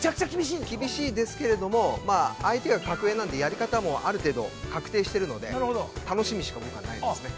厳しいですけれども、相手が格上なので、ある程度やり方が確定しているので、楽しみしかないですね。